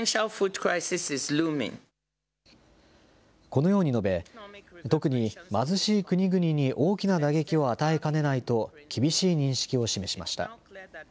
このように述べ特に貧しい国々に大きな打撃を与えかねないと厳しい認識を示しました。